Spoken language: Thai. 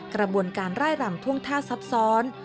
กระบวนการไล่รำท่วงท่าซับซ้อน